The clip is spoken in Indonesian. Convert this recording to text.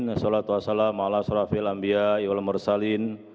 wa salatu wassalamu ala surafil anbiya iwal mursalin